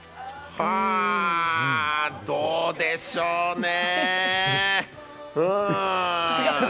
あぁ、どうでしょうね。